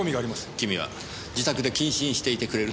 君は自宅で謹慎していてくれるとありがたい。